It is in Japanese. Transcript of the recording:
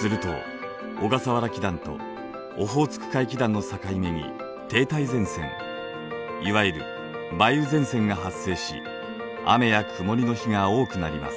すると小笠原気団とオホーツク海気団の境目に停滞前線いわゆる梅雨前線が発生し雨や曇りの日が多くなります。